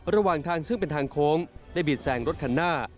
ระหว่างทางซึ่งเป็นทางโค้งได้บีดแสงรถคันหน้า